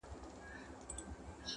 • ناپوه دومره په بل نه کوي لکه په ځان -